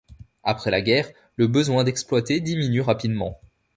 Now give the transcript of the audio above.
Après la guerre, le besoin d'exploiter diminue rapidement.